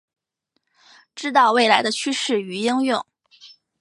知道未来的趋势与应用